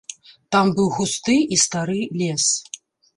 Там быў густы і стары лес.